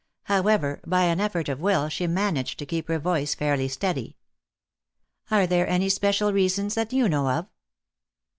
However, by an effort of will she managed to keep her voice fairly steady. "Are there any special reasons that you know of?"